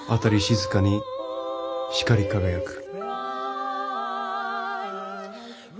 静かに光り輝く」。